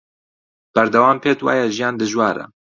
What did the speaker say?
بەردەوام پێت وایە ژیان دژوارە